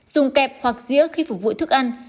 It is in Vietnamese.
dùng kẹp hoặc dĩa khi phục vụ thức ăn